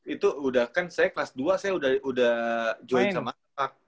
itu udah kan saya kelas dua saya udah join sama anak